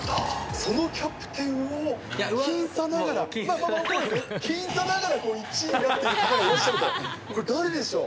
そのキャプテンを、僅差ながら、僅差ながら、１位になっている方がいらっしゃると、誰でしょう？